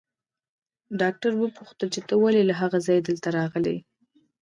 ډاکټر وپوښتل چې ته ولې له هغه ځايه دلته راغلې.